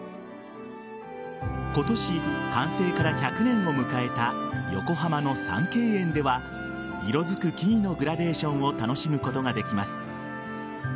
今年、完成から１００年を迎えた横浜の三渓園では色づく木々のグラデーションを楽しむことができます。